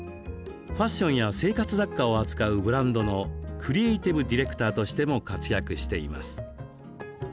ファッションや生活雑貨を扱うブランドのクリエーティブディレクターとしても活躍しています。